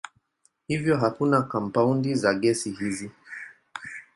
Hivyo hakuna kampaundi za gesi hizi.